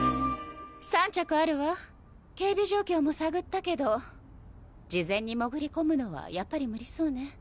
３着あるわ警備状況も探ったけど事前に潜り込むのはやっぱり無理そうね。